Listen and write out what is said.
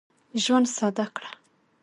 ژوند ساده کړه.